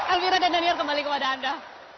elvira dan daniel kembali kepada anda